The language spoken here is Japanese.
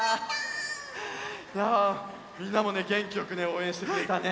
いやみんなもねげんきよくおうえんしてくれたね。